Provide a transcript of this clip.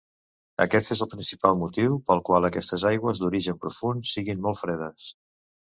Aquest és el principal motiu pel qual aquestes aigües d'origen profund siguin molt fredes.